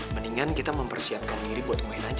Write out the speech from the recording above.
mendingan kita mempersiapkan diri buat main aja